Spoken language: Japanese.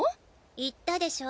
言ったでしょ？